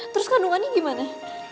terus kandungannya gimana